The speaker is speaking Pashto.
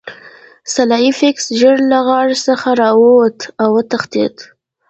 سلای فاکس ژر له غار څخه راووت او وتښتید